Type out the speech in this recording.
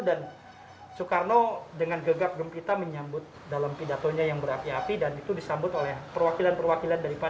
dan soekarno dengan gegap gempita menyambut dalam pidatonya yang berapi api dan itu disambut oleh perwakilan perwakilan jepang